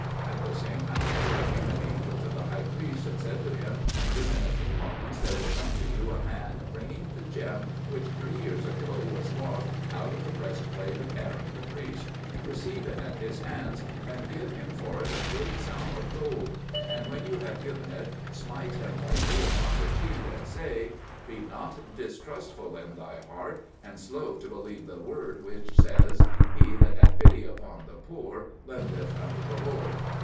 At the same hour there came an angel to the High Priest, and said to him, "Within a few moments there will come to you a man bringing the gem which three years ago was lost out of the breastplate of Aaron the priest. Receive it at his hands, and give him for it a great sum of gold; and when you have given it, smite him lightly upon the cheek and say, 'Be not distrustful in thy heart, and slow to believe the word which says, 'He that hath pity upon the poor, lendeth unto the Lord.'